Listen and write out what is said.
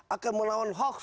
akan melawan hoax